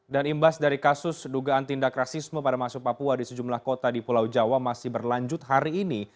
dan imbas dari kasus dugaan tindak rasisme pada masuk papua di sejumlah kota di pulau jawa masih berlanjut hari ini